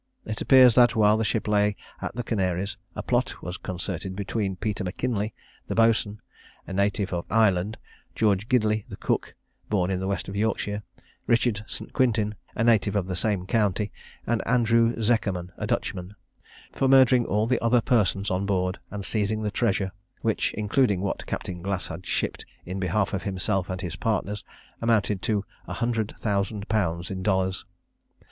It appears that while the ship lay at the Canaries, a plot was concerted between Peter M'Kinlie, the boatswain, a native of Ireland; George Gidley the cook, born in the west of Yorkshire; Richard St. Quintin, a native of the same county; and Andrew Zekerman a Dutchman for murdering all the other persons on board, and seizing the treasure, which, including what Captain Glass had shipped in behalf of himself and his partners, amounted to a hundred thousand pounds in dollars.